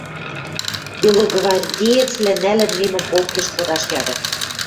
белогвардеецвлӓ нӓлӹн мимӹ полкеш кодаш яды.